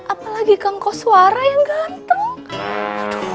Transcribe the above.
apalagi kangkos suara yang ganteng